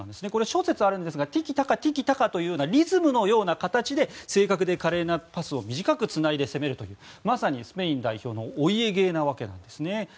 諸説あるんですがティキ・タカというリズムのような形で正確で華麗なパスを短くつないで攻めるというまさにスペイン代表のお家芸なわけですね。